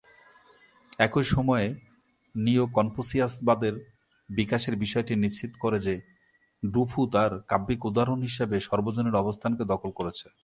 একই সময়ে, নিও-কনফুসিয়াসবাদের বিকাশের বিষয়টি নিশ্চিত করে যে ডু ফু তার কাব্যিক উদাহরণ হিসাবে সর্বজনীন অবস্থানকে দখল করেছে।